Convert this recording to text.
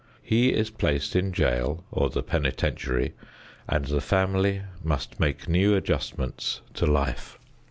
He is placed in jail or the penitentiary and the family must make new adjustments to life.